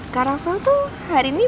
kak rafael tuh hari ini